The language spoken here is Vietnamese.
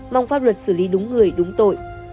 mong pháp luật xử lý đúng người đúng tội